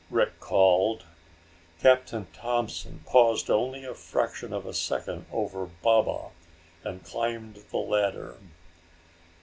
Rick called. Captain Thompson paused only a fraction of a second over Baba and climbed the ladder.